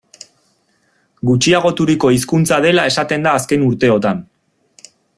Gutxiagoturiko hizkuntza dela esaten da azken urteotan.